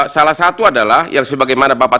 salah satu adalah yang sebagaimana bapak